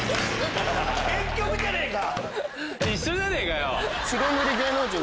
結局じゃねえか！